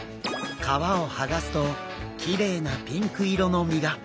皮をはがすときれいなピンク色の身が。